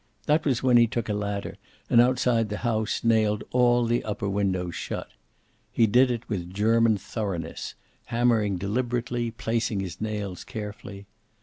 That was when he took a ladder, and outside the house nailed all the upper windows shut. He did it with German thoroughness, hammering deliberately, placing his nails carefully.